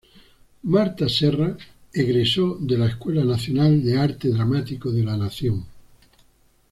Martha Serra egresó de la Escuela Nacional de Arte Dramático de la Nación.